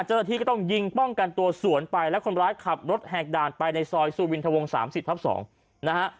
เจ้าหน้าที่ก็ต้องยิงป้องกันตัวสวนไปแล้วคนร้ายขับรถแหกด่านไปในซอยสุวินทวง๓๐ทับ๒นะฮะ